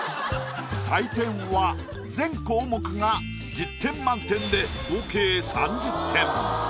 採点は全項目が１０点満点で合計３０点。